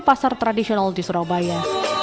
pasar tradisional di surabaya